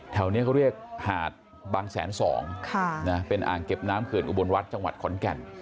แถวนี้เขาเรียกหาดบางแสนสองเป็นอ่างเก็บน้ำเขื่อนอุบลวัดจังหวัดขอนแก่น